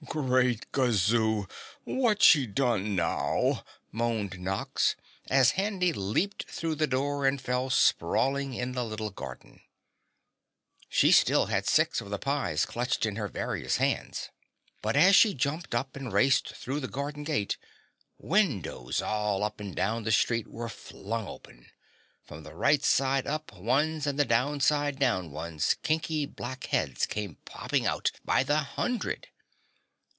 "Great Gazoo, what's she done now?" moaned Nox as Handy leaped through the door and fell sprawling in the little garden. She still had six of the pies clutched in her various hands, but as she jumped up and raced through the garden gate, windows all up and down the street were flung open. From the right side up ones and the down side down ones kinky black heads came popping out by the hundred.